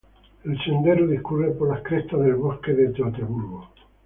El sendero discurre por las crestas del bosque de Teutoburgo.